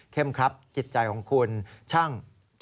ครับจิตใจของคุณช่าง